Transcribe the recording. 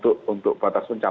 untuk batas pencapaian